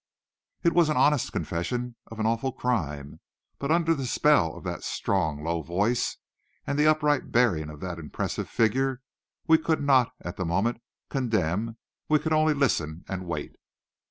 It was an honest confession of an awful crime. But under the spell of that strong, low voice, and the upright bearing of that impressive figure, we could not, at the moment, condemn; we could only listen and wait.